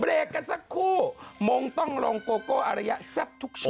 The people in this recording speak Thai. เบรกกันสักครู่มงต้องลองโกโก้อารยะซับทุกชุด